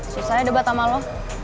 susah ya debat sama lo